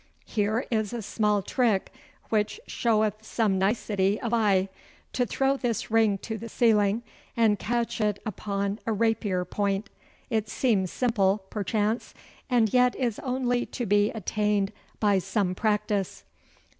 Here is a small trick which showeth some nicety of eye: to throw this ring to the ceiling and catch it upon a rapier point. It seems simple, perchance, and yet is only to be attained by some practice.